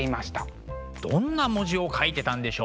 どんな文字を書いてたんでしょう。